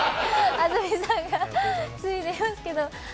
安住さんが注いでますけど。